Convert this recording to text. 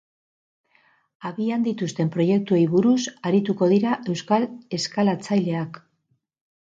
Abian dituzten proiektuei buruz arituko dira euskal eskalatzaileak.